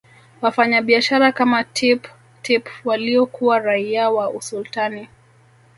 Wafanyabiashara kama Tipp Tip waliokuwa raia wa Usultani